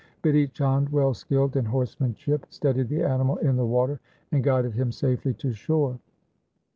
Bidhi Chand, well skilled in horsemanship, steadied the animal in the water and guided him safely to shore.